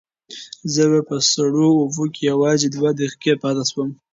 زه په سړو اوبو کې یوازې دوه دقیقې پاتې شوم.